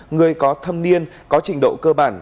người có thâm niên có trình độ cơ bản